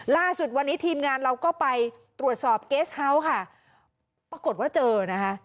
ล่าสุดวันนี้ทีมงานเราก็ไปตรวจสอบเกสเฮาส์ค่ะปรากฏว่าเจอนะคะ